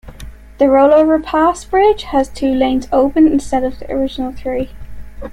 The Rollover Pass bridge has two lanes open instead of the original three.